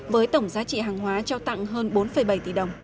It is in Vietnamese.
với tổng giá trị hàng hóa trao tặng hơn bốn bảy tỷ đồng